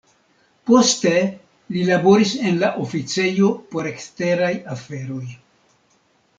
Poste li laboris en la oficejo por eksteraj aferoj.